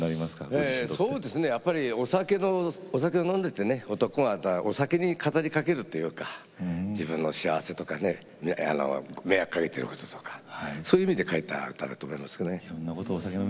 やっぱりお酒を飲んでて男はお酒に語りかけるっていうか自分の幸せとかね迷惑かけてることとかそういうことで書いた歌ですね。